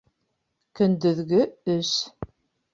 Көндөҙгө өс